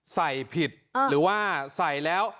ใส่ผิดหรือว่าใส่แล้ว